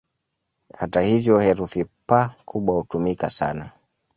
Hata hivyo, herufi "P" kubwa hutumika sana.